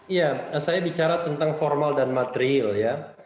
iya saya bicara tentang formal dan material ya